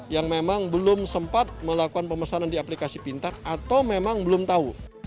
yang memang belum sempat melakukan pemesanan di aplikasi pintar atau memang belum tahu